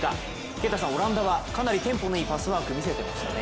啓太さん、オランダはかなりテンポのいいパスワークみせてましたね。